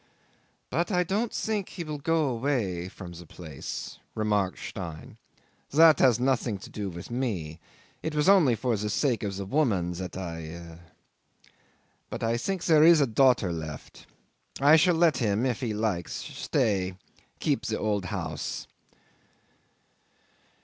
"But I don't think he will go away from the place," remarked Stein. "That has nothing to do with me. It was only for the sake of the woman that I ... But as I think there is a daughter left, I shall let him, if he likes to stay, keep the old house."